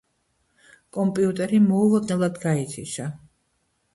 კომპიუტერი მოულოდნელად გაითიშა.